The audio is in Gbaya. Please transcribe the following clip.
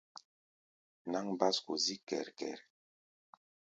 Náŋ básko zík kɛr-kɛr.